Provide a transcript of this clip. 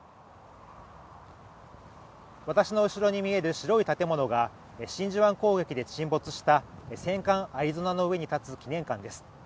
私の後ろに見える白い建物が真珠湾攻撃で沈没した戦艦「アリゾナ」の上に建つ記念館です